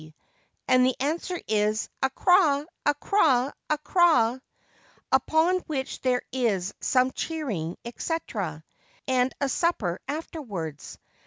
and the answer is, 'A craw! a craw! a craw!' upon which there is some cheering, &c., and a supper afterwards.